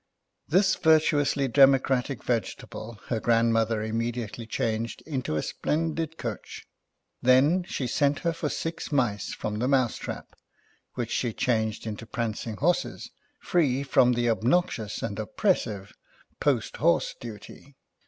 This virtuously democratic vegetable her grandmother immediately changed into a splendid coach. Then, she sent her for six mice from the mouse trap, which she changed into prancing horses, free from the obnoxious and oppressive post horse duty.